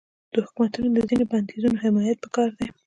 د حکومتونو د ځینو بندیزونو حمایت پکار دی.